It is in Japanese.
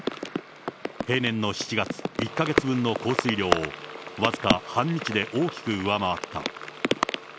平年の７月１か月分の降水量を僅か半日で大きく上回った。